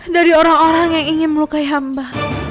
dari orang orang yang ingin melukai hamba